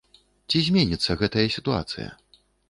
Ці зменіцца гэтая сітуацыя?